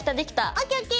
ＯＫＯＫ。